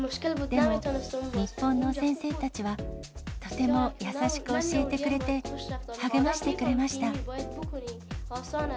でも、日本の先生たちはとても優しく教えてくれて、励ましてくれました。